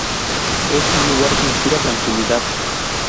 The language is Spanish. Es un lugar que inspira tranquilidad.